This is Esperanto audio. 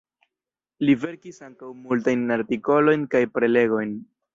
Li verkis ankaŭ multajn artikolojn kaj prelegojn.